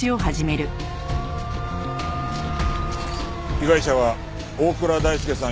被害者は大倉大輔さん４２歳。